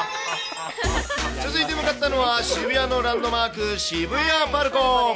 続いて向かったのは、渋谷のランドマーク、渋谷パルコ。